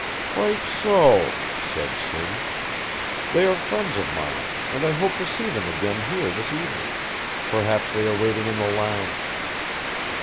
"Quite so," said Simms; "they are friends of mine and I hoped to see them again here this evening perhaps they are waiting in the lounge."